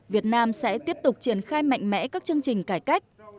việt nam sẽ tiếp tục triển khai mạnh mẽ các chương trình cải cách